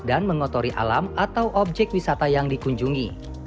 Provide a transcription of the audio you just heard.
dan mengotori alam atau objek wisata yang dikunjungi